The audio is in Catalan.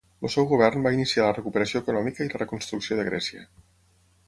El seu govern va iniciar la recuperació econòmica i la reconstrucció de Grècia.